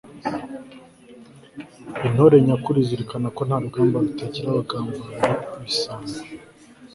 intore nyakuri izirikana ko nta rugamba rutagira abagambanyi, ibisambo